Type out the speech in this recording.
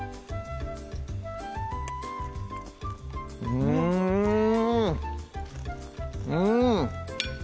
うんうん！